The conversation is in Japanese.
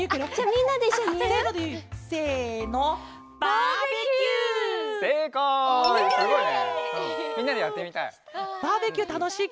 みんなでやってみたい。